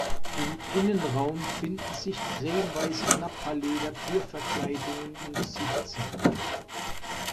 Im Innenraum finden sich cremeweiße Nappaleder-Türverkleidungen und -Sitze.